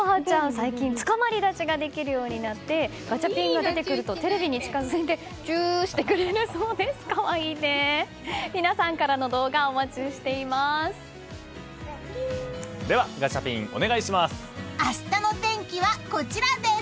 最近つかまり立ちができるようになってガチャピンが出てくるとテレビに近づいてちゅーしてくれるそうです。